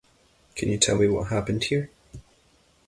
Can you tell me what happened here?